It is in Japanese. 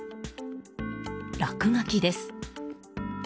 落書きです。